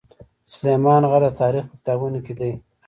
سلیمان غر د تاریخ په کتابونو کې دی.